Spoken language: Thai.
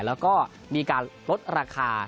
แล้วก็มีการลดราคา